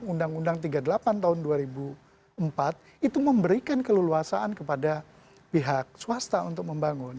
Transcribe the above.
undang undang tiga puluh delapan tahun dua ribu empat itu memberikan keleluasaan kepada pihak swasta untuk membangun